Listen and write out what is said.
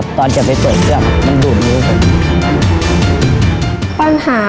ประชาสัมพันธ์นะคะ